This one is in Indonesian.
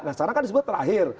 nah sekarang kan disebut terakhir